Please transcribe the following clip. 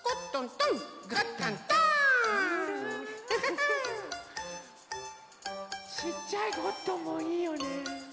ちっちゃいゴットンもいいよね。